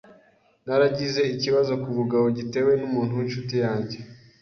naragize ikibazo ku bugaboo gitewe n’umuntu w’inshuti yanjye